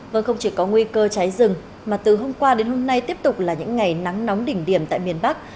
vâng không chỉ có nguy cơ cháy rừng mà từ hôm qua đến hôm nay tiếp tục là những ngày nắng nóng đỉnh điểm tại miền bắc